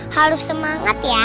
harus semangat ya